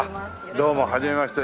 どうもはじめまして。